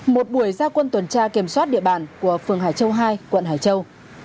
một buổi giao quân tuần tra kiểm soát địa bàn của phường hải châu hai quận hải châu